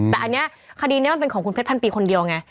แต่อันนี้คดีนี้มันเป็นของคุณเพชรพันปีคนเดียวไง